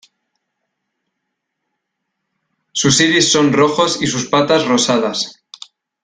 Sus iris son rojos y sus patas rosadas.